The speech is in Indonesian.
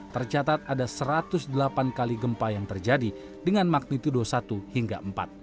tercatat ada satu ratus delapan kali gempa yang terjadi dengan magnitude satu hingga empat